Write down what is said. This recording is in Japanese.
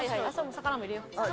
魚も入れよう。